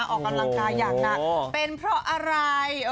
ออกกำลังกายอย่างหนักเป็นเพราะอะไร